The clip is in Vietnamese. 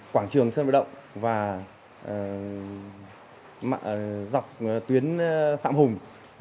quảng trường sơn vật động và dọc tuyến phạm hùng